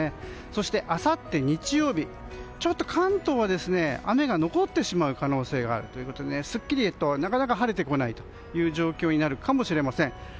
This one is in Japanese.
そしてあさって日曜日関東は雨が残ってしまう可能性があるということですっきりとなかなか晴れてこないという状況になるかもしれません。